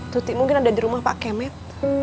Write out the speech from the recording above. tutik mungkin ada di rumah pak kemet